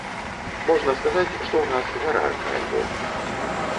Можна сказаць, што ў нас гаражны альбом.